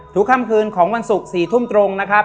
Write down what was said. ค่ำคืนของวันศุกร์๔ทุ่มตรงนะครับ